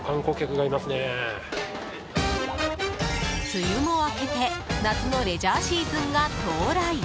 梅雨も明けて夏のレジャーシーズンが到来。